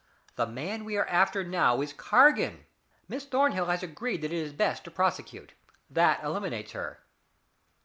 The man we are after now is Cargan. Miss Thornhill has agreed that it is best to prosecute. That eliminates her."